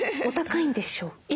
お高いんでしょう？